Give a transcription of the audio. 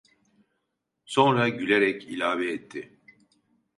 Sonra gülerek ilave etti: